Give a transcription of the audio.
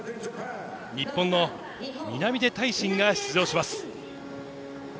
日本の南出大伸が出場します。